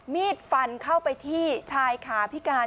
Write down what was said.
มีดฟันเข้าไปที่ชายขาพิการ